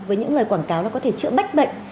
với những loài quảng cáo có thể chữa bách bệnh